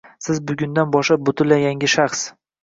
Siz bugundan boshlab butunlay yangi shaxs.